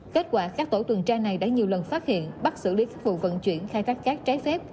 kết quả các tổ tuần tra này đã nhiều lần phát hiện bắt xử lý các vụ vận chuyển khai thác cát trái phép